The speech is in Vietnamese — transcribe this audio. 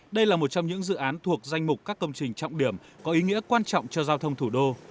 đây là một trong những dự án thuộc danh mục các công trình trọng điểm có ý nghĩa quan trọng cho giao thông thủ đô